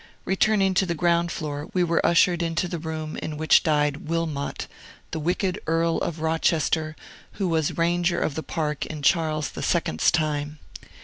Returning to the ground floor, we were ushered into the room in which died Wilmot, the wicked Earl of Rochester, who was Ranger of the Park in Charles II.'s time.